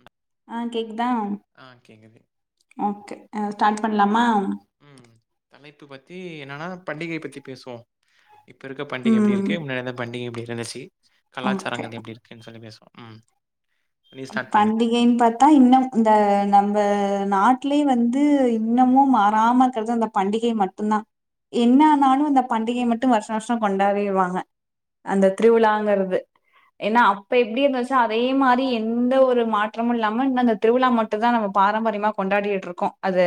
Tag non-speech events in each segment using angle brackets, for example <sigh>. ம் ஆ கேக் ஆ கேக்குது ஓகே அ ஸ்டார்ட் பண்லாமா ம் தலைப்பு பத்தி என்னன்னா பண்டிகை பத்தி பேசுவோ இப்ப இருக்க பண்டிக எப்டி ம் இருக்கு முன்னா இருந்த பண்டிக எப்டி இருக் என்னசி ஓகே கலாச்சாரங்கள் எப்படி இருக்குன்னு சொல்லி பேசுவோ ம் நீ ஸ்டார்ட் பண்ணு. பண்டிகைன்னு பாத்தா இன்னு இந்த நம்ப நாட்டுலயே வந்து இன்னமு மாறாம இக்கறது அந்த பண்டிகை மட்டும் தா என்னனாலு அந்த பண்டிகையை மட்டும் வருஷா வருஷம் கொண்டாடிறுவாங்க அந்த திருவிளாங்கிறது ஏன்னா அப்ப எப்டி இருச்சா அதே மாரி எந்த ஒரு மாற்றமு இல்லாம இன்ன அந்த திருவிலா மட்டு தா நம்ம பாரம்பரியமா கொண்டாடிட்டுருக்கோ அது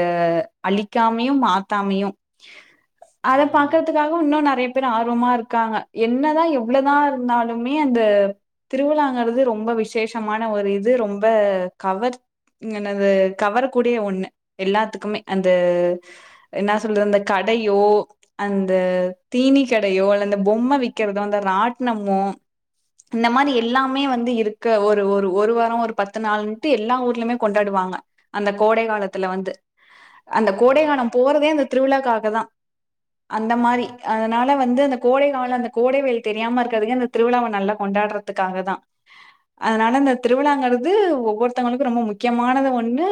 அழிக்காமையு மாத்தாமையு அத ம், ம், பாக்குறதுக்காக இன்னு நெறைய பேர் ஆர்வமா இருக்காங்க என்னதா எவ்வளவுதா இருந்தாலுமே அந்த திருவிழாங்கிறது ரொம்ப விசேஷ மான ஒரு இது ரொம்ப கவர் என்னாது கவரக்கூடிய ஒண்ணு எல்லாத்துக்குமே அந்த என்னா சொல்றது அந்த கடையோ அந்த தீனி கடையோ அல்ல பொம்ம விக்கிறதோ அந்த ராட்னமு இந்த மாரி எல்லாமே வந்து இருக்க ஒரு ஒரு ஒரு வாரம் ஒரு பத்து நாளுன்டு எல்லா ஊர்லயுமே கொண்டாடுவாங்க அந்த கோடை காலத்துல வந்து அந்த கோடை ம். காலம் போறதே அந்த திருவிழாக்காக தா அந்த மாதிரி உண்மதான். அதனால வந்து அந்த கோடை கால அந்த கோடைவெயில் தெரியாம இருக்கிறதுங்க இந்த திருவிழாவ நல்லா கொண்டாடுறதுக்காக தா அதனால இந்த திருவிழாங்கறது ஒவ்வொருத்தவங்களுக்கும் ரொம்ப முக்கியமானது ஒண்ணு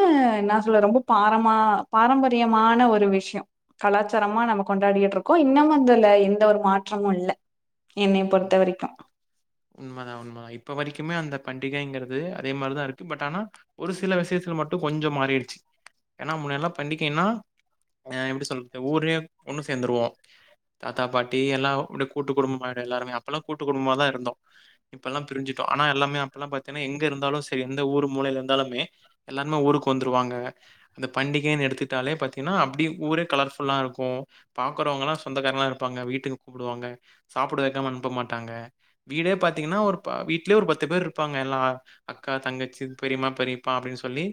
சொல்ற ரொம்ப பாரமா பாரம்பரியமான ஒரு விஷயம் கலாச்சாரமா நம்ம கொண்டாடிற்றுயிருக்கோம் இன்னமும் அதுல எந்த ஒரு மாற்றமும் இல்ல என்னைய பொறுத்த வரைக்கு உண்மைதான் உண்மைதான் இப்ப வரைக்குமே அந்த பண்டிகைங்கிறது அதே மாரிதா இருக்கு பட் ஆனா ஒரு சில விஷயித்துல மட்டு கொஞ்சம் மாறிடுச்சு ஏன்னா முன்னல்லா பண்டிகைன்னா அ எப்டி சொல்றது ஊரே ஒன்னு சேந்துருவோ தாத்தா பாட்டி எல்லா கூட்டு குடும்பமா எல்லாருமே அப்பலா கூட்டு குடும்பமாதா இருந்தோ இப்பதா பிரிஞ்சுட்டோ ஆனா எல்லாமே அப்பல்லா பாத்தீங்கன்னா எங்க இருந்தாலு சேந்து ஊர் மூலையில இருந்தாலுமே எல்லாருமே ஊருக்கு வந்துருவாங்க அந்த பண்டிகைன்னு எடுத்துட்டாலே பாத்தீங்கன்னா அப்டி ஊரே கலர்ஃபுல்லா இருக்கு பாக்குறவங்க எல்லா சொந்தக்காரல்லா இருப்பாங்க வீட்டுக்கு கூப்டுவாங்க சாப்பிட வைக்காம அனுப்ப மாட்டாங்க வீடே பாத்தீங்கன்னா ஒரு வீட்லயே ஒரு பத்து பேர் இருப்பாங்க எல்லா அக்கா தங்கச்சி பெரிமா பெரிப்ப அப்படின்னு சொல்லி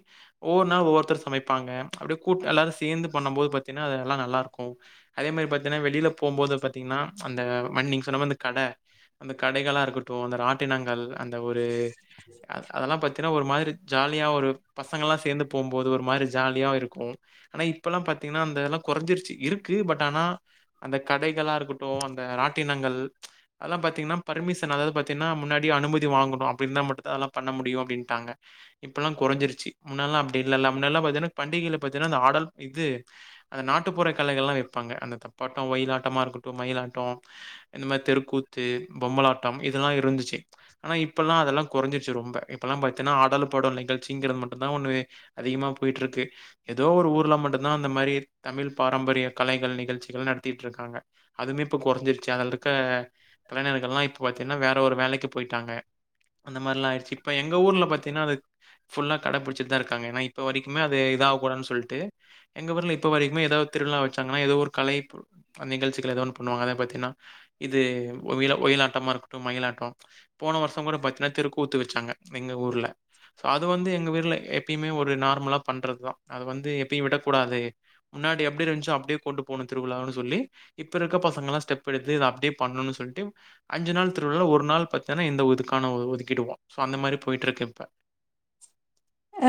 ஒவ்வொரு நாள் ஒவ்வொருத்தரும் சமைப்பாங்க அப்படியே கூட்டா எல்லாரும் சேந்து பண்ணம்போது பாத்தினா அதெல்லா நல்லாருக் கு அதே மாரி பாத்தீனா வெளில போம்போது பாத்தீங்கன்னா அந்த ஆமா நீங்க சொன்ன மாரி அந்த கட அந்த கடைகளா இருக்கட்டு அந்த ரா தினங்கள் அந்த ஒரு அதெல்லாம் பத்தி ஏன்னா ஒரு மாதிரி ஜாலியா ஒரு பசங்கள்லா சேந்து போம் போது ஒரு மாரி ஜாலியா இருக்கு ஆனா இப்பல்லா பாத்தீங்கன்னா அந்ததுலா கொறைஞ்சிருச்சு இருக்கு பட் ஆனா அந்த கடைகளா இருக்கட்டு அந்த ராட் ராட்டினங்கள் அதெல்லாம் பாத்தீங்கன்னா பர்மிசன் அதாவது பாத்தீங்கன்னா முன்னாடி அனுமதி வாங்கணும் அப்படிருந்தா மட்டுந்தா பண்ண முடியும்டாங்க இப்பெல்லாம் குறைஞ்சிருச்சு முன்னெல்ல அப்படி இல்ல முன்னல்லா பாத்தீன்னா பண்டிகையில பாத்தீன்னா இந்த ஆடல் இது அந்த நாட்டுப்புற கலைகளெல்லாம் வைப்பாங்க அந்த தப்பாட்டம் ஒயிலாட்டமா இருக்கட்டும் மயிலாட்டம் இந்த மாதிரி தெருக்கூத்து பொம்பலாட்டம் இதெல்லாம் இருந்துச்சு ஆனா இப்பெல்லா அதெல்லா கொறஞ்சிருச்சு ரொம்ப இப்பெல்லா பாத்தீன்னா ஆடலு பாடலு நிகழ்ச்சிங்கறது மட்டுதா ஒண்ணு அதிகமா போயிட்ருக்கு ஏதோ ஒரு ஊர்ல மட்டுதா அந்த மாரி தமிழ் பாரம்பரிய கலைகள் நிகழ்ச்சிகள் நடத்திட்ருக்றாங்க அதுமே இப்ப கொறஞ்சிருச்சு சேனல் இருக்க கலைஞர்களா இப்ப பாத்தின்னா வேற ஒரு வேலைக்கு போய்ட்டாங்க அந்த மாரிலாயிருச்சு இப்ப எங்க ஊர்ல பாத்தீனா ஃபுள்ளா கடபிடிச்சுட்டுதா இருக்காங்க ஏன்னா இப்ப வரக்கின் இப்பமே அது இதாக கூடாதுனு சொல்ட்டு எங்க ஊர்ல இப்ப வரைக்குமே ஏதாவது திருவிழா வச்சாங்கன ஏதாவது ஒரு கலை நிகழ்ச்சிகள் ஏதோ ஒண்ணு பண்ணுவாங்க இது ஒயில ஒயிலாட்டமா இருக்கட்டூ மயிலாட்டோ போன வருஷ்ங்கூட பாத்தீன்னா தெருக்கூத்து வெச்சாங்க எங்க ஊர்ல சோ அது வந்து எங்க வீர்ல எப்பிமே ஒரு நார்மலா பண்றதுதா அது வந்து எப்பியு விடக்கூடாது முன்னாடி எப்டி இருந்ச்சோ அப்டியே கொண்டு போணுங் திருவிழானு சொல்லி இப்ப இருக்க பசங்கெல்லா ஸ்டெப் <unintelligible> பண்ணும்னு சொல்ட்டு அஞ்சு நாள் திருவிழாவுல ஒரு நாள் பாத்தீனா இந்த இதுக்கான ஒதுக்கிடுவோ அந்த மாரி போய்ட்ருக்கு இப்ப அ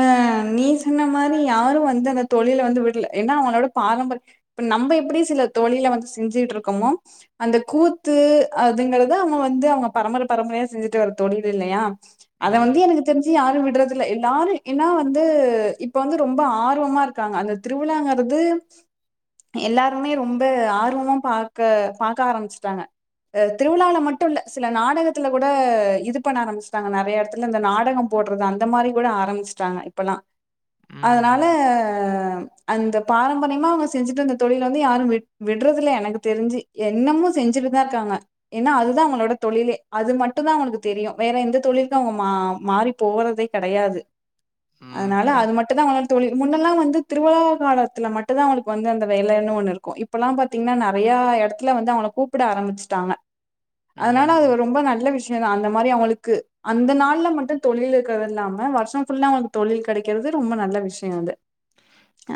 நீ சொன்ன மாரி யாரு வந்து அந்த தொழில வந்து விட்ல ஏன்னா அவங்ளோட பாரம்பரிய இப்ப நம்ப எப்புடி சில தொழில வந்து செஞ்சிட்ருக்கமோ அந்த கூத்து அதுங்குறத அவங்க வந்து அவங்க பரம்பர பரம்பரயா செஞ்சுட்டு வர தொழில் இல்லையா அத ம். வந்து எனக்கு தெரிஞ்சி யாரு விட்றதில்ல எல்லாரு ஏன்னா வந்து இப்ப வந்து ரொம்ப ஆர்வமா இருக்காங்க அந்த திருவிழாங்கறது எல்லாருமே ரொம்ப ஆர்வமா பாக்க பாக்க ஆரம்பிச்சுட்டாங்க அ திருவிழால மட்டு இல்ல சில நாடகத்துல கூட இது பண்ண ஆரம்பிச்சுட்டாங்க நறையடத்துல இந்த நாடகம் போட்றது அந்த மாரி கூட ஆரம்பிச் ச்சாங்க இப்பல்லா அதனால ம்ஹ்ம். அந்த பாரம்பரியமா அவங்க செஞ்சுட்டு வந்த தொழில் வந்து யாரு விட் விட்றதுல்ல எனக்கு தெரிஞ்சு என்னமு செஞ்சுட்டுதா இருக்காங்க ஏன்னா அதுதா அவங்களோட தொழிலே அது மட்டு தா அவங்ளுக்கு தெரியு வேற எந்த தொழிலுக்கு அவங்க மா மாறி போவரதே கெடயாது ம். அதனால புரியுது. அது மட்டுதா <unintelligible> தொழில் முன் மின்னெல்லா வந்து திருவிழா காலத்துல மட்டுதா அவங்களுக்கு வந்து அந்த வேலேன்னு ஒண்ணு இருக்கும் இப்பல்லா பாத்தீங்ன்னா நறையா எடத்துல வந்து அவங்கள கூப்புட ஆரம்பிச்சுட்டாங்க அதனால ம். அது ரொம்ப நல்ல விஷ் <unintelligible> அந்த மாரி அவுங்ளுக்கு அந்த நாள்ல மட்டு தொழில் இருக்றது இல்லாம வருஷ்ஷோ ஃபுல்லா வந்து தொழில் கடைக்கிறது ரொம்ப நல்ல விஷயோ அது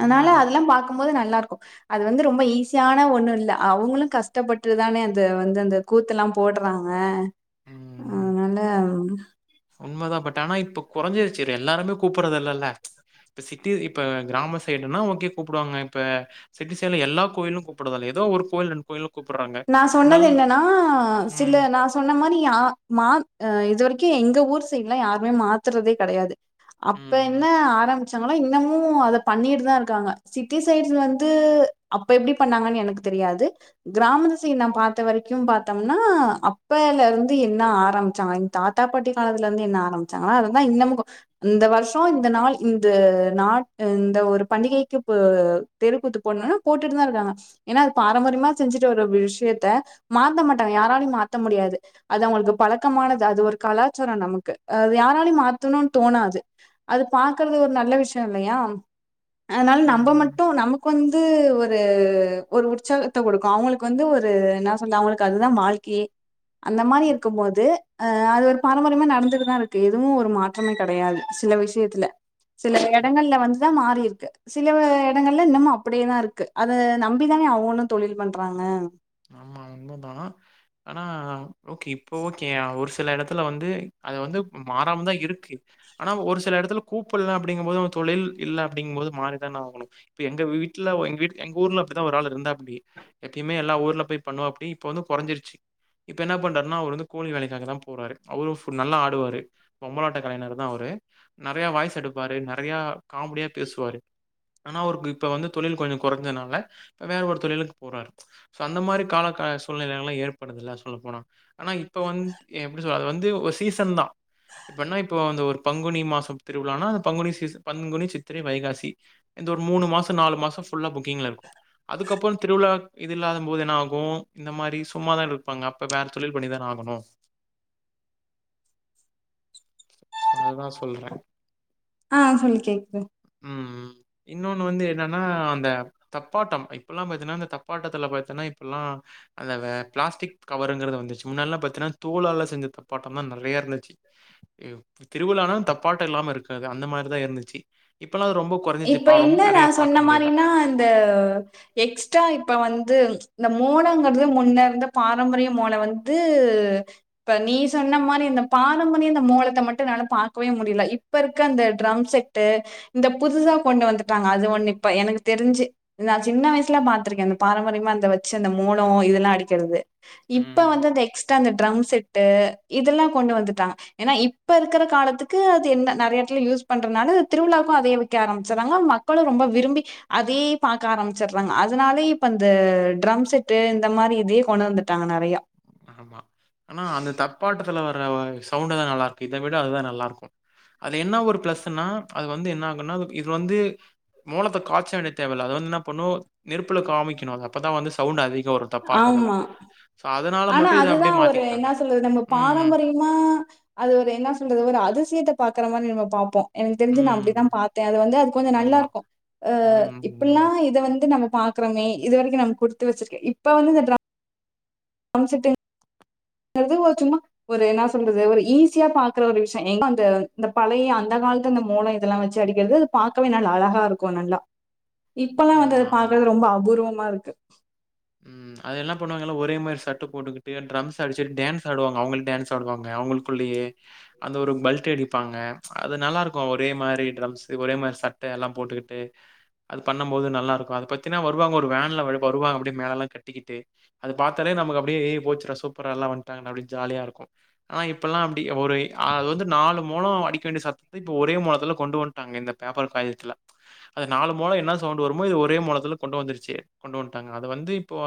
அதனால உண்மதான். அதல்லா பாக்கும்போது நல்லாருக்கு அது வந்து ரொம்ப ஈஸியான ஒண்ணு இல்ல அவங்களு கஷ்டப்பட்டுதானே அத வந்து அந்த கூத்தெல்லா போடறாங்க அதனால உண்மதா பட் ஆனா இப்போ கெறஞ்சிருச்சு ரே எல்லாருமே கூப்புறதுல்லல்ல இப்ப சிட்டி இப்ப கிராம சைடுன்னா ஓகே கூப்புடுவாங்க இப்ப சிட்டி சைட்ல எல்லா கோயிலும் கூப்புடதல்ல ஏதோ ஒரு கோயில் ரெண்ட் கோயிலு நா சொன்னது என்னன்னா சில ம். நா சொன்ன மாரி ஆ மாக் ம் இதுவரைக் கே எங்க ஊர் சைட்லா யாருமே மாத்தறதே கடையாது அப்ப என்ன ம். ஆரவூ ச்சாங்களா இன்னமு அத பண்ணிட்டு தா இருக்காங்க சிட்டி சைட்ஸ் வந்து அப்ப எப்டி பண்ணாங்கன்னு எனக்கு தெரியாது கிராமத்து சைட் நா பாத்த வரைக்கும் பாத்தோம்னா அப்பைல இருந்து என்ன ஆரம்ச்சாங்க எங் தாத்தா பாட்டி காலத்துலருந்தே னா ஆரம்பிச்சாங்கா லா அததா இன்னமு கோ இந்த வருஷோ இந்த நாள் இந்து நாள் இந்த ஒரு பண்டிகைக்கு பு தெருக்கூத்து போடணுன்னா போட்டுட்டு தா இருக்காங்க ஏன்னா அது பாரம்பரியமா செஞ்சிட்டு ஒரு விஷ்யத்த மாத்த மாட்டாங்க யாராலயு மாத்த முடியாது அது அவுங்ளுக்கு பழக்கமானது அது ஒரு கலாச்சாரோ நமக்கு யாராலயூ மாத்தணுனு தோணாது அது பாக்றது ஒரு நல்ல விஷ்யோ இல்லயா அதனால் ம். நம்ப மட்டு நமக்கு வந்து ஒர் து ஒரு உற்சாக த்து குடுக்கூ அவுங்ளுக்கு வந்து ஒரு என்ன சொல்ல அவுங்ளுக்கு அதுதா மாழ்க்கியே அந்த மாரி இருக்கும் மோது ஆ அது ஒரு பாரம்பரியமா நடந்துட்டுதா இருக்கு இதுவு ஒரு மாற்றமே கெடயாது சில விஷயத்துல சில ம். எடங்கள்ல வந்துதா மாறி இருக்கு சில வ இடங்கள்ல இன்னமு அப்புடே தா இருக்கு அத நம்பிதானே அவனுத் தொழில் பண்றாங்க ஆமா உண்மதா ஆனா ஓகே இப்போ ஓகே அ ஒரு ஸ் சில எடத்துல வந்து அது வந்து ம் மாறாம தா இருக்கு அனா ஒரு சில எடத்துல் கூப்புல்ல அப்டிங்க போது அவ தொழில் இல்ல அப்டிங்கு போது மாறிதான ஆகணு இப்ப எங்க வீட்ல ஒ எங்க வீட் எங்க ஊர்ல அப்டிதா ஒரு ஆள் இருந்தாப்டி எப்யுமே எல்லா ஊர் ள்ள போய் பன்னுவாப்டி இப்ப வந்து கொறஞ்சிருச்சு இப்ப என்ன பண்றார்னா அவுரு வந்து கூலி வேலைக்காக தா போறாரு அவரு ஃபு நல்லா ஆடுவாரு பொம்பலாட்ட கலைஞர் தா அவுரு நறயா வாய்ஸ் எடுப்பாரு நறயா காம்டியா பேஸ்வாரு ஆனா அவுர்க்கு இப்ப வந்து தொழில் கொஞ்சொ கொறஞ்சனால வேற ஒரு தொழிலுக் போறாரு சோ அந்த மாரி கால க சூழ்நலைல ஏற்படுதுல்ல சொல்ல போனா அனா இப்ப வந்த் எப்டி சொல் அது வந்து ஒ சீசன்தா இப்பன்னா இப்ப அந்த ஒரு பங்குனி மாசம் திருவிழான பங்குனி சீசு பங்குனி சித்திரை வைகாசி இந்த ஒரு மூனு மாச நாலு மாசம் ஃபுல்லா புக்கிங்ல இர்க்கு அதுக்கப்பறம் திருவிழா இத் இது இல்லாதம்போது என்ன ஆகு இந்த மாரி சும்மாதான் இரர்ப்பாங்க அப்ப வேற தொழில் பண்ணிதான ஆகணு சோ அதுதா சொல்ற ஆ சொல்லு கேக்து ம் இன்னொன்னு வந்து என்னனா அந்த தப்பாட்டம் இப்பல்லாம் பாத்தன்னா அந்த தப் பாட்டத்துல பாத்தன்னா இப்புலா அந்த வே ப்ளாஸ்டிக் கவருங்கறது வந்துச்சு முன்னட்லா பாத்தீன்னா தோலால செஞ்ச தப்பாட்டம் தா நறைய இர்ந்துச்சு யு திருவிழான தப்பாட்ட இல்லாம இருக்காது அந்த மாரிதா இர்ந்துச்சு இப் இப்ப என்ன நா சொன்ன முடியல. மாரினா அந்த எக்ஸ்டா இப் இப்ப வந்து இந்த மோளங்கறது முன்ன இருந்த பாரம்பரிய மோள வந்து இப்ப நீ சொன்ன மாரி இந்த பாரம்பரியம் இந்த மோளத்த மட்டு என்னாலே பாக்கவே முடியல இப்ப இருக்க அந்த ட்ரம் செட்டு இந்த புதுசா கொண்டு வந்துட்டாங்க அது ஒன்னு இப்ப எனகு தெரிஞ்சு நா சின்ன வய்சுல பாத்ருக்க அந்த பாரம்பரியமா அந்த வச்சு அந்த மோலம் இதல்லா அடிக்கறது இப்ப ம். வந்து அந்த எக்ஸ்டா அந்த ட்ரம் செட்டு இதுல்லா கொண்டு வந்துட்டாங்க ஏன்னா இப்ப இர்க்குற காலத்துக்கு அது என்ன நறைய எட்த்துல யூஸ் பண்றனால திருவிழாவுக்கு அதயே வித் கேரம்ச்சறாங்க மக்களு ரொம்ப விரும்பி அதே பாக்க ஆரம்ச்சற்றாங்க அதுனாலே இப் அந்த ட்ரம் செட்டு இந்த மாரி இதே கொண வந்துட்டாங்க நறயா ஆமா அனா அந்த தப்பாட்டத்துல வ <unintelligible> சவுண்டு தா நல்லார்க்கு இத விட அதுதா நல்லார்க்கு அது என்னா ஒரு ப்ளஸ்ஸுனா அது வந்து என்னாகுன்னா அது இது வந்து மோளத்த காச்ச வேண்டிய தேவல்ல அது வந் ன்னா பண்ணு நெருப்புல காமிக்கினு அத அப்பதா வந்து சவுண்டு அதி தோ ஒரு தப்பாட்டதுல சாத் இதனால மட் அதுதா ஒரு என்னா சொல்லுது நம்ம பாரம்பரியமா அது ஒரு என்ன சொல்றுது ஒரு அதுசியத்த பாக்குற மாரி நம்ம பாப்போ எனக்கு தெரிஞ்சு நா அப்டிதா ம். பாத்தே அது வந்து அது கொஞ்ச ஆமா. நல்லார்க்கு அ ம். இப்பில்லா ம். இத வந்து நம பாக்றமே இது வரக்கு நம்ம குடுத்து வச்சிர்க்கே இப்ப வந்து இந்த ட்ரா டிரம்செட்டிங் இது ஓ சும்மா ஒரு என்ன சொல்றது ஒரு ஈஸியா பாக்குற ஒரு விஷ்யம் ஏனா அந்த இந்த பழைய அந்த காலத்து இந்த மோளம் இதெல்லாம் வச்சு அடிக்கிறது அது பாக்கவே நல்ல அழகா இருக்கும் நல்லா இப்பெல்லாம் ம். வந்து அதை ஆமா. பாக்குறது ரொம்ப அபூர்வம் நா இருக்கு ம் அது என்னா பண்ணுவாங்கல்லா ஒரே மாரி சர்ட்டு போட்டுக்கிட்டு டரம்ஸ் அடிச்சுட்டு டான்ஸ் ஆடுவாங்க அவுங்களு டான்ஸ் ஆடுவாங்க அவுங்களுக்குள்ளேயே அந்த ஒரு பல்டி அடிப்பாங்க அது நல்லா இருக்கு ஒரே மாரி டிரம்ஸ் ஒரே மாரி சட்ட எல்லா போட்டுக்கிட்டு அது பண்ண போது நல்லா இருக்கு அத பாத்தினா வருவாங்க ஒரு வேன்ல வருவாங்க மேளமெல்லா கட்டிகிட்டு அத பாத்தாலே நமக்கு அப்படியே போச்சுரா சூப்பரா எல்லா வன்ட்டாங்க டா அப்டியே ஜாலியா இருக்கு ஆனா இப்பெல்லா அப்டி ஒரு அது வந்து நாலு மோளோ அடிக்க வேண்டிய சத்தத்த இப்ப ஒரே மோளத்துல கொண்டு வன்ட்டாங்க இந்த பேப்பர் காய்தத்துல ஆ நாலு மோளோ என்ன சவுண்ட் வருமோ இது ஒரே மோளத்துல கொண்டு வந்துருச்சி கொண்டு வன்ட்டாங்க அத வந்து இப்போ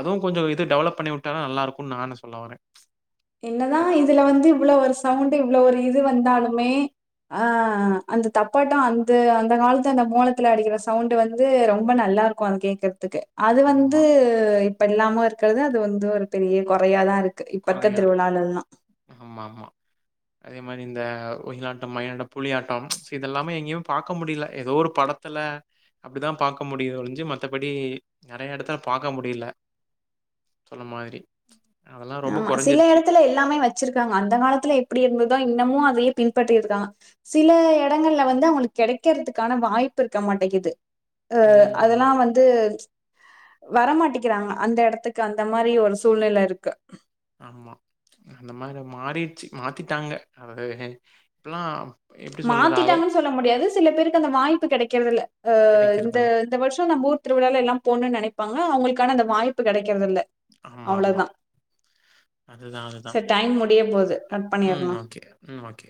அதுவு கொஞ்சோ இது டெவலப் பண்ணி விட்டாலு நல்லா இருக்கும் நானு சொல்ல வரே என்னதா இதுல வந்து இவ்வளவு ஒரு சவுண்ட் இவ்வளவு ஒரு இது வந்தாலுமே அஹ் அந்த தப்பாட்டம் அந்த அந்த காலத்து அந்த மோலத்துல அடிக்கிற சவுண்டு வந்து ரொம்ப நல்லா இருக்கும் அது கேக்கற ருக்கு அது வந்து ஆமா. இப்ப இல்லாம இருக்கிறது அது வந்து ஒரு பெரிய குறையா தான் இருக்கு இப்ப இருக்க கொறையாருக்கு திருவிழாலல்லா ஆமாமா அதே மாரி இந்த ஒயிலாட்டம் மயிலாட்டம் புலியாட்டம் ச் இதெல்லாமே எங்கேயு பாக்க முடியல ஏதோ ஒரு படத்துல அப்டிதான் பாக்க முடியுதொலிஞ்சு மத்தபடி நெறைய எடத்துல பாக்க முடியல சொன்ன மாதிரி அ ஆமா சில எடத்துல எல்லாமே வெச்சிருக்காங்க அந்த காலத்துல எப்படி இருந்ததோ இன்னமு பின்பற்றி இருக்கான் சில எடங்கள்ல வந்து அவங்களுக்கு கிடைக்கிறதுக்கான வாய்ப்பு இருக்க மாட்டேங்குது அஹ், ம். அதெல்லா வந்து வரமாட்டிக்கிறாங்க அந்த எடத்துக்கு அந்த மாரி ஒரு சூழ்நில இருக்கு ஆமா அந்த மாரி மாறிடுச்சு மாத்திட்டாங்க அது இப்பல்லாம் மாத்திட்டாங்கன் சொல்ல முடியாது சில பேருக்கு அந்த வாய்ப்பு கெடைக்கறதில்ல அஹ் இந்த கிடைக்கிறதில்ல. இந்த வர்ஷோ நம்ம ஊர் திருவிழால எல்லா போனுன் நெனைப்பாங்க அவங்களுக் க்கான அந்த வாய்ப்பு கெடை க்கறதில்ல அவ்ள ஆமாமா. தா அதுதான் அதுதான். சரி டைம் முடிய போது கட் ம். பண்ணிர்லா ஓகே. ம். ஓகே.